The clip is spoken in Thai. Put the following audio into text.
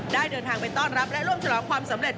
เดินทางไปต้อนรับและร่วมฉลองความสำเร็จ